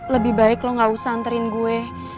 lebih baik lo gak usah anterin gue